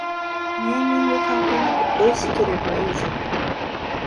ネーミング関係なくおいしければいいじゃない